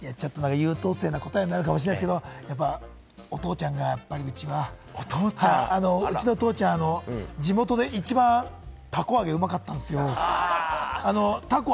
優等生の答えになるかもしれないですけれども、お父ちゃんがやっぱり一番、うちの父ちゃん、地元で一番たこあげうまかったんですよ。